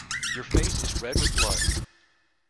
Your face is red with blood.